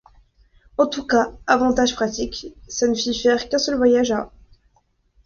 En tous cas, avantage pratique, ça ne fit faire qu’un seul voyage à…